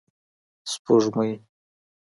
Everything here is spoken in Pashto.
سپوږمرۍ